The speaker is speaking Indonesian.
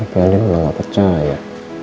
tapi andi memang gak percaya